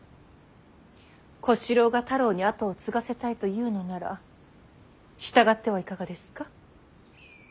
小四郎が太郎に跡を継がせたいというのなら従ってはいかがですか。